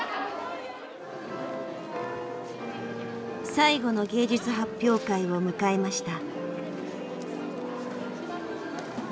最後の芸術発表会を迎えました。